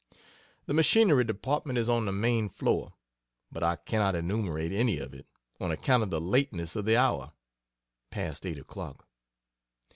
The Machinery department is on the main floor, but I cannot enumerate any of it on account of the lateness of the hour (past 8 o'clock.)